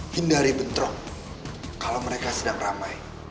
hindari bentrok kalau mereka sedang ramai